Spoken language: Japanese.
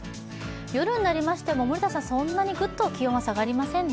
夜になっても、そんなにぐっと気温は下がりませんね。